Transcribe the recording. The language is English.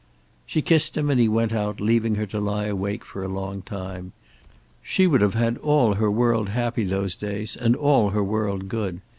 She kissed him and he went out, leaving her to lie awake for a long time. She would have had all her world happy those days, and all her world good.